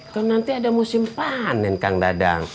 kalau nanti ada musim panen kang dadang